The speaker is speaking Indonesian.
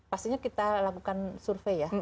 pastinya kita lakukan survei ya